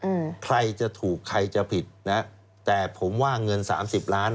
อืมใครจะถูกใครจะผิดนะฮะแต่ผมว่าเงินสามสิบล้าน